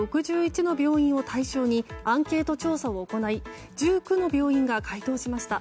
６１の病院を対象にアンケート調査を行い１９の病院が回答しました。